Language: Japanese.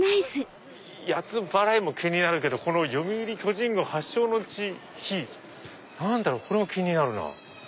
谷津バラ園も気になるけど「読売巨人軍発祥の地碑」。何だろう？これも気になるなぁ。